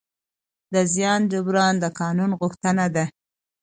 د زیان جبران د قانون غوښتنه ده.